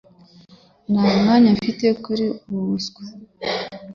Nta mwanya mfite kuri ubu buswa